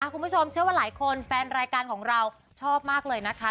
คุณผู้ชมเชื่อว่าหลายคนแฟนรายการของเราชอบมากเลยนะคะ